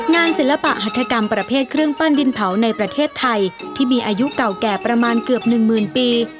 ศิลปะหัฐกรรมประเภทเครื่องปั้นดินเผาในประเทศไทยที่มีอายุเก่าแก่ประมาณเกือบหนึ่งหมื่นปี